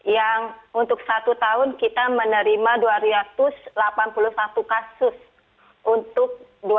yang untuk satu tahun kita menerima dua ratus delapan puluh satu kasus untuk dua ribu dua puluh